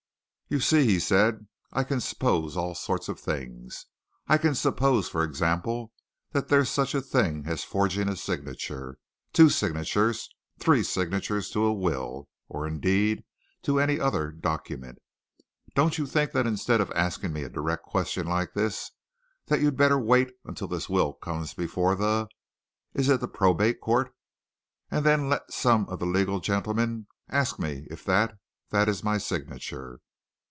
"You see," he said, "I can suppose all sorts of things. I can suppose, for example, that there's such a thing as forging a signature two signatures three signatures to a will or, indeed, to any other document. Don't you think that instead of asking me a direct question like this that you'd better wait until this will comes before the is it the Probate Court? and then let some of the legal gentlemen ask me if that that! is my signature?